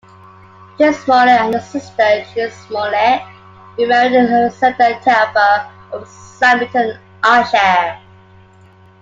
James Smollet, and a sister, Jean Smollett, who married Alexander Telfair of Symington, Ayrshire.